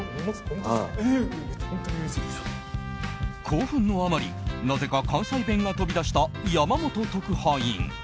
興奮のあまりなぜか関西弁が飛び出した山本特派員。